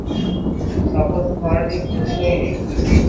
সফল হওয়ার প্রশ্নই নেই।